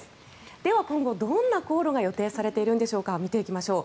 では今後、どんな航路が予定されているのか見ていきましょう。